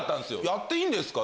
やっていいんですか？